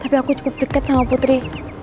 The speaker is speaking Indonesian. tapi aku cukup dekat sama putri